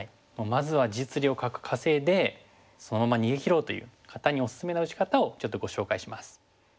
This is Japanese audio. まずは実利を稼いでそのまま逃げ切ろうという方におすすめな打ち方をちょっとご紹介します。